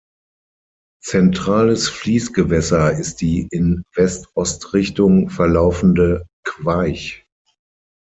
Zentrales Fließgewässer ist die in West-Ost-Richtung verlaufende Queich.